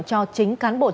cho chính cán bộ trung tâm